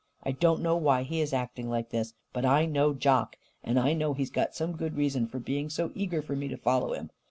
I don't know why he is acting like this. But I know Jock, and I know he's got some good reason for being so eager for me to follow him.